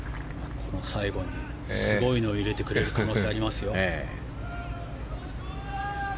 最後にすごいのを入れてくれる可能性がありますよ。